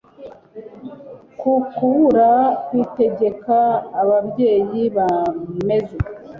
ku kubura kwitegeka Ababyeyi bameze